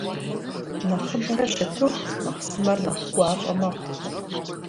Нэхъыбэрэ щытыху, махъсымэр нэхъ гуащIэ мэхъу.